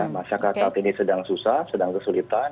masyarakat saat ini sedang susah sedang kesulitan